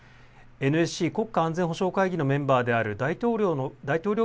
ＮＳＣ・国家安全保障会議のメンバーである大統領